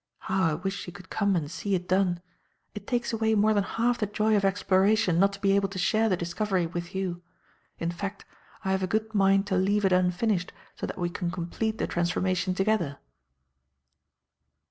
How I wish you could come and see it done! It takes away more than half the joy of exploration not to be able to share the discovery with you; in fact, I have a good mind to leave it unfinished so that we can complete the transformation together."